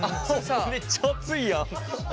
めっちゃ熱いやん。